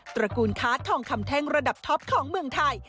ระกูลค้าทองคำแท่งระดับท็อปของเมืองไทย